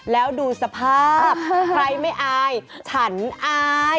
แล้วดูสภาพใครไม่อายฉันอาย